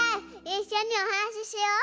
いっしょにおはなししよう！